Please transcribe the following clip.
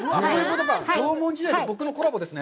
縄文時代と僕のコラボですね。